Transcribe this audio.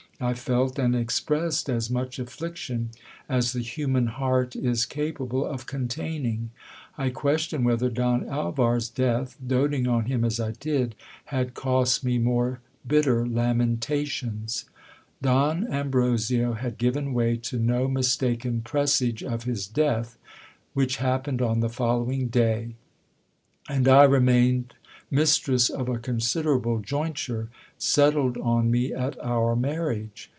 I felt and expressed as much affliction as the human heart is capable of con taining. I question whether Don Alvar's death, doting on him as I did, had cost me more bitter lamentations. Don Ambrosio had given way to no mis taken presage of his death, which happened on the following day ; and I re mained mistress of a considerable jointure, settled on me at our marriage.